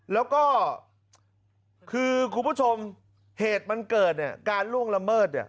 แล้วก็คือคุณผู้ชมเหตุมันเกิดเนี่ยการล่วงละเมิดเนี่ย